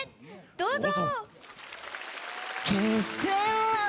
どうぞ。